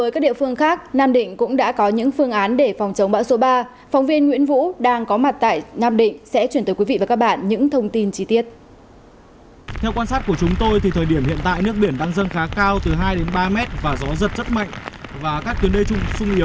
các phương tiện địa phương đã vào nơi tránh trú an toàn công tác bảo vệ an toàn hệ thống đê